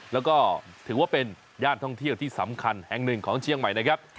แล้วก็ถือว่าเป็นย่านท่องเที่ยวที่สำคัญแห่งหนึ่งของเชียงใหม่นะครับ